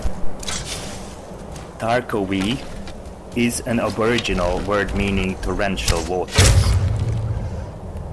"Tarcowie" is an aboriginal word meaning "torrential waters".